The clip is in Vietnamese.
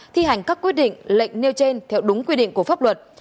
thi hành các quyết định lệnh nêu trên theo đúng quy định của pháp luật